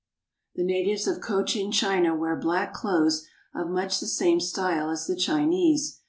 The natives of Cochin China wear black clothes of much the same style as the Chinese.